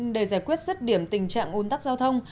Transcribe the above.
để giải quyết rất điểm tình trạng ôn tắc giao thông